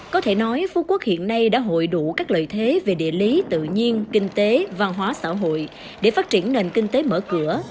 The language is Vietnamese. có thể nói phú quốc hiện nay đã hội đủ các lợi thế về địa lý tự nhiên kinh tế văn hóa xã hội để phát triển nền kinh tế mở cửa